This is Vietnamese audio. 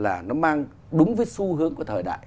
là nó mang đúng với xu hướng của thời đại